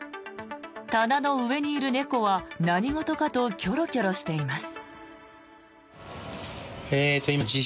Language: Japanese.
棚の上にいる猫は、何事かとキョロキョロしています。